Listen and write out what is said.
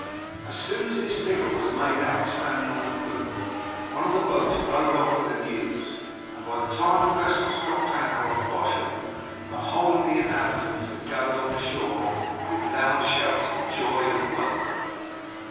As soon as his figure was made out standing on the poop, one of the boats rowed off with the news, and by the time the vessels dropped anchor off Bosham the whole of the inhabitants had gathered on the shore, with loud shouts of joy and welcome.